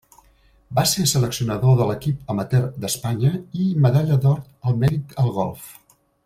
Va ser seleccionador de l'equip Amateur d'Espanya i Medalla d'Or al Mèrit al golf.